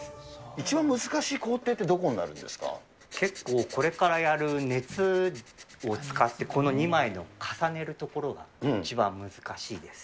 一番難しい工程ってどこになこれからやる熱を使って、この２枚を重ねる所が一番難しいです。